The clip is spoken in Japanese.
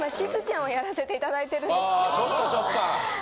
あそっかそっか。